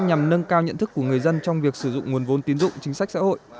nhằm nâng cao nhận thức của người dân trong việc sử dụng nguồn vốn tiến dụng chính sách xã hội